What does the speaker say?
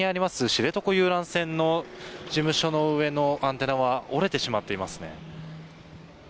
知床遊覧船の事務所の上のアンテナは折れてしまっていますね。